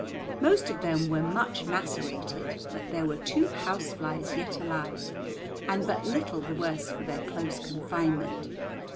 Most of them were much macerated, but there were two house flies yet alive and but little the worse for their close confinement.